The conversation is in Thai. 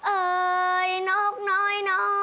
นกเอ่ยน๊อคน้อย